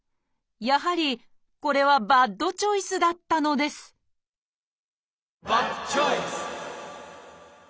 やはりこれはバッドチョイスだったのですバッドチョイス！